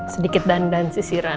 sedikit dandan sisiran